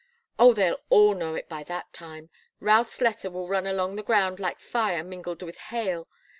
"Oh, they'll all know it by that time. Routh's letter will run along the ground like fire mingled with hail.